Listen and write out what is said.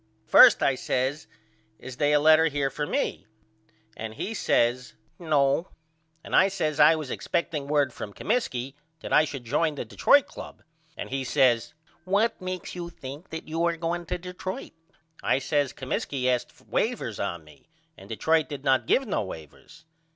First I says Is they a letter here for me? And he says No. And I says I was expecting word from Comiskey that I should join the Detroit Club and he says What makes you think you are going to Detroit? I says Comiskey asked wavers on me and Detroit did not give no wavers.